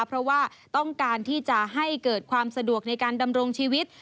เพราะว่าต้องการที่จะให้เกิดความสะดวกในการดำรงชีวิต